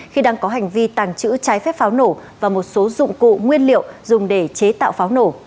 khi đang có hành vi tàng trữ trái phép pháo nổ và một số dụng cụ nguyên liệu dùng để chế tạo pháo nổ